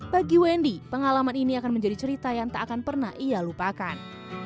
bagi wendy pengalaman ini akan menjadi cerita yang tak akan pernah ia lupakan